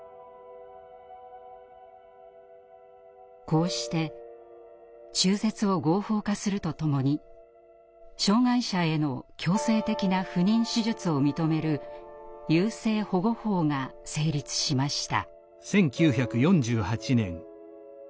こうして中絶を合法化するとともに障害者への強制的な不妊手術を認める優生保護法が成立しました。